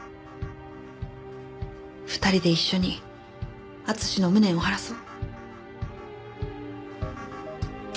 ２人で一緒に敦の無念を晴らそう。